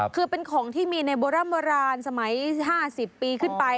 คือเป็นของที่มีในโบร่ำโบราณสมัย๕๐ปีขึ้นไป